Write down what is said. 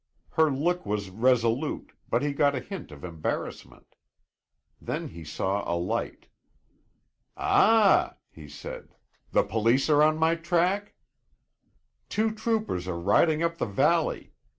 Her look was resolute, but he got a hint of embarrassment. Then he saw a light. "Ah!" he said. "The police are on my track?" "Two troopers are riding up the valley.